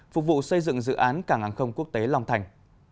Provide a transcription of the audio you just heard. phục vụ xây dựng dự án cảng hàng không quốc tế long thành